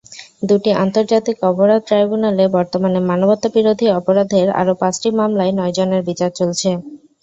দুটি আন্তর্জাতিক অপরাধ ট্রাইব্যুনালে বর্তমানে মানবতাবিরোধী অপরাধের আরও পাঁচটি মামলায় নয়জনের বিচার চলছে।